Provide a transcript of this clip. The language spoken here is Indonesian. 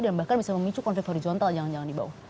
dan bahkan bisa memicu konflik horizontal yang jalan jalan dibawah